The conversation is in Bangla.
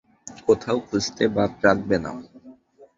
কোথাও খুঁজতে বাদ রাখবে না।